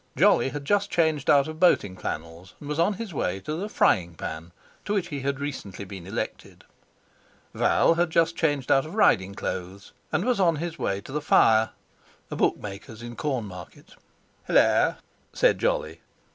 Jolly had just changed out of boating flannels and was on his way to the "Frying pan," to which he had recently been elected. Val had just changed out of riding clothes and was on his way to the fire—a bookmaker's in Cornmarket. "Hallo!" said Jolly.